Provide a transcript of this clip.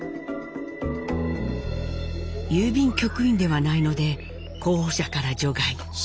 郵便局員ではないので候補者から除外。